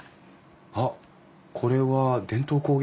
あっこれは伝統工芸品ですか？